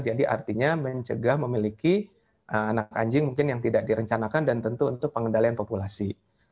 jadi artinya mencegah memiliki anak anjing mungkin yang tidak direncanakan dan tentu untuk pengendalian populasi